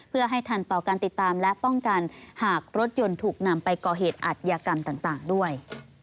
เพื่อให้ทันต่อการติดตามและป้องกันหากรถยนต์ถูกนำไปก่อเหตุอัธยากรรมต่างด้วย